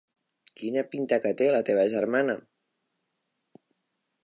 Quina pinta que té la teva germana.